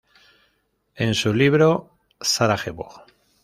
En su libro 'Sarajevo.